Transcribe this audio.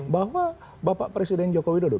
bahwa bapak presiden jokowi dodo